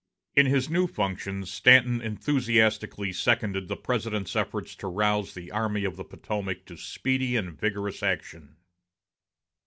In his new functions, Stanton enthusiastically seconded the President's efforts to rouse the Army of the Potomac to speedy and vigorous action.